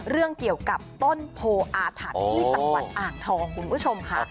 เรื่องเกี่ยวกับต้นโพออาถรรพ์ที่จังหวัดอ่างทองคุณผู้ชมค่ะ